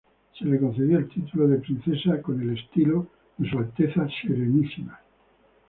Se le concedió el título de Princesa con el estilo de Su Alteza Serenísima.